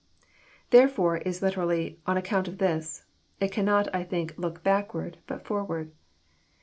«• Therefore, is literally, " on account of this. It cannot, I think, look backward, but forward.